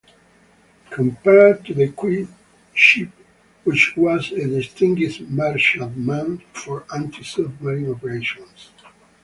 Compare to the Q-ship, which was a disguised merchantman for anti-submarine operations.